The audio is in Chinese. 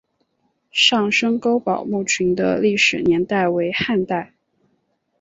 上深沟堡墓群的历史年代为汉代。